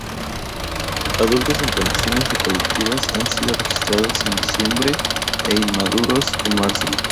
Adultos en condiciones reproductivas han sido registrados en diciembre e inmaduros en marzo.